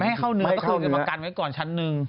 ไม่ให้เข้าเนื้อมันต้องเก็บมักกันไว้ก่อนชั้นหนึ่ง